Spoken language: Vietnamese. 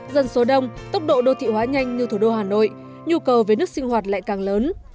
dân số đông tốc độ đô thị hóa nhanh như thủ đô hà nội nhu cầu về nước sinh hoạt lại càng lớn